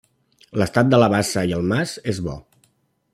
L'estat de la bassa i el mas és bo.